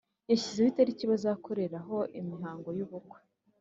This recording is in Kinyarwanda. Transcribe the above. yashyizeho italiki bazakoreraho imihango y’ubukwe